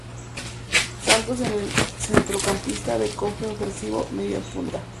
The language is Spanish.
Santos es un centrocampista de corte ofensivo, mediapunta.